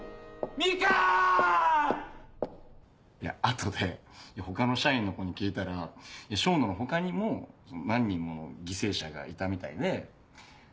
後で他の社員の子に聞いたら笙野の他にも何人もの犠牲者がいたみたいで。